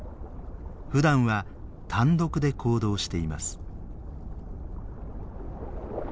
ふだんは単独で行動しています。